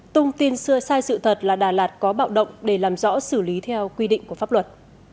tung tin sai sự thật là đà lạt có bạo động để làm rõ xử lý theo quy định của pháp luật